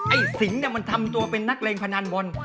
ไอ้สิงห์เนี่ยมันทำตัวเป็นนักเลงพนันบน